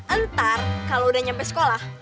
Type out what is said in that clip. entar kalo udah nyampe sekolah